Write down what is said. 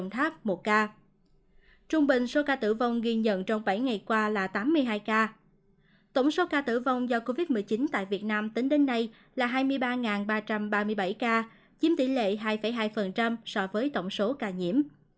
tổng số ca tử vong do covid một mươi chín tại việt nam tính đến nay là hai mươi ba ba trăm ba mươi bảy ca chiếm tỷ lệ hai hai so với tổng số ca nhiễm